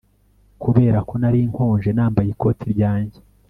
Kubera ko nari nkonje nambaye ikoti ryanjye